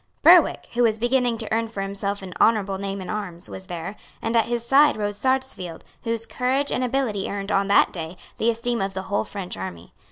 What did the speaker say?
Berwick, who was beginning to earn for himself an honourable name in arms, was there; and at his side rode Sarsfield, whose courage and ability earned, on that day, the esteem of the whole French army.